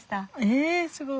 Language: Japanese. えすごい！